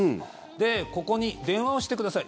で、ここに電話をしてください